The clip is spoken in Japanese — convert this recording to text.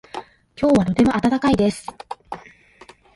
今日はとても暖かいです。